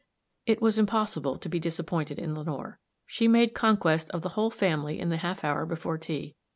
It was impossible to be disappointed in Lenore. She made conquest of the whole family in the half hour before tea.